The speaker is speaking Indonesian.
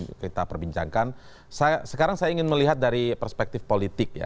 menurut kita orang lain memang masih mendadakan bahwa